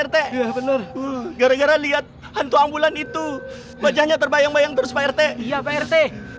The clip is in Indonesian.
rt benar gara gara lihat hantu ambulan itu wajahnya terbayang bayang terus pak rt iya prc